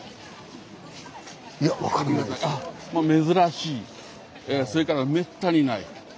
珍しいそれからめったにない。